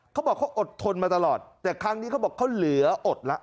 เขาบอกเขาอดทนมาตลอดแต่ครั้งนี้เขาบอกเขาเหลืออดละ